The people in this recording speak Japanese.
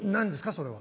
それは。